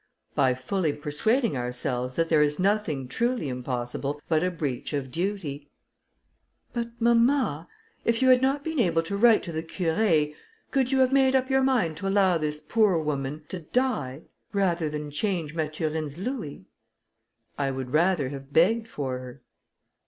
"By fully persuading ourselves that there is nothing truly impossible but a breach of duty." "But, mamma, if you had not been able to write to the Curé, could you have made up your mind to allow this poor woman to die, rather than change Mathurine's louis?" "I would rather have begged for her."